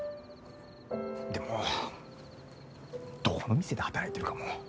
でもどこの店で働いてるかも。